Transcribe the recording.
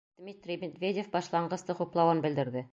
Дмитрий Медведев башланғысты хуплауын белдерҙе.